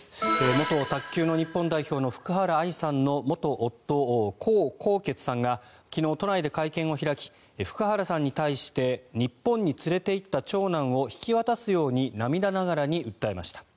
元卓球の日本代表の福原愛さんの元夫、コウ・コウケツさんが昨日、都内で会見を開き福原さんに対して日本に連れていった長男を引き渡すように涙ながらに訴えました。